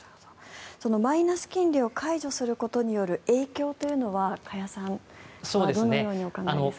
そのマイナス金利を解除することによる影響は加谷さんはどうお考えですか。